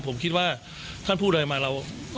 ผมคิดว่าท่านพูดอะไรมาเรา